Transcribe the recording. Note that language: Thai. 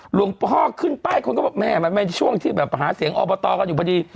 หลวงพ่อขึ้นป้ายคนก็บอกแม่มันเป็นช่วงที่แบบหาเสียงอบตกันอยู่พอดี